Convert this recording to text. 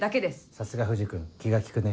さすが藤君気が利くね。